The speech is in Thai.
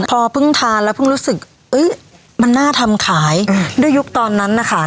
พอเพิ่งทานแล้วเพิ่งรู้สึกมันน่าทำขายด้วยยุคตอนนั้นนะคะ